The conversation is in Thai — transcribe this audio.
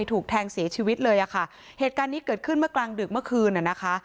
ถูกแทงเสียชีวิตเลยอ่ะค่ะเหตุการณ์นี้เกิดขึ้นเมื่อกลางดึกเมื่อคืนอ่ะนะคะ